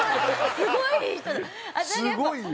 すごいよ。